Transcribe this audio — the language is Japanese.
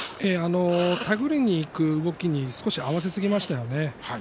手繰りにいく動きに少し合わせすぎましたよね。